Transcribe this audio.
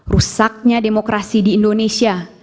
rusaknya demokrasi di indonesia